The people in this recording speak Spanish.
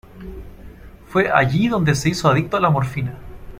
Fue allí donde se hizo adicto a la morfina.